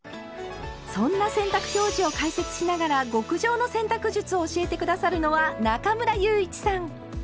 そんな洗濯表示を解説しながら極上の洗濯術を教えて下さるのは中村祐一さん。